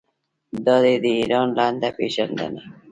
دا دی د ایران لنډه پیژندنه.